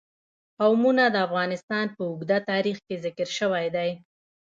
قومونه د افغانستان په اوږده تاریخ کې ذکر شوی دی.